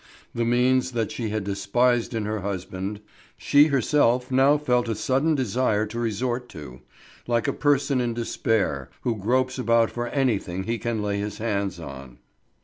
The means that she had despised in her husband, she herself now felt a sudden desire to resort to, like a person in despair, who gropes about for anything he can lay hands on.